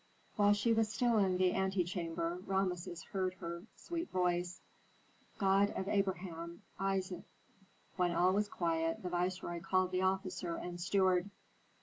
While she was still in the antechamber, Rameses heard her sweet voice, "God of Abraham Isa " When all was quiet, the viceroy called the officer and steward.